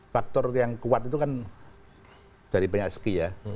faktor yang kuat itu kan dari banyak segi ya